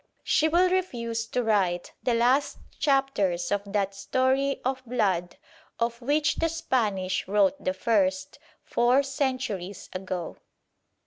She will refuse to write the last chapters of that story of blood of which the Spanish wrote the first four centuries ago.